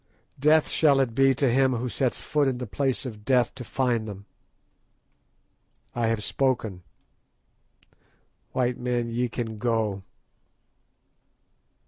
Death shall it be to him who sets foot in the place of Death to find them. I have spoken. White men, ye can go."